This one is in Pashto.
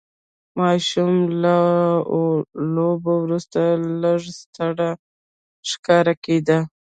ماشوم له لوبو وروسته لږ ستړی ښکاره کېده.